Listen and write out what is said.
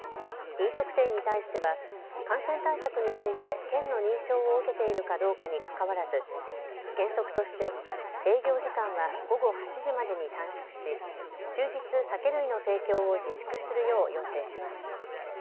飲食店に対しては感染対策について県の認証を受けているかどうかにかかわらず原則として営業時間は午後８時までに短縮し終日、酒類の提供を自粛するよう要請します。